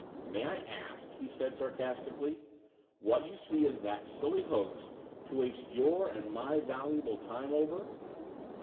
"May I ask," he said sarcastically, "what you see in that silly hoax to waste your and my valuable time over?"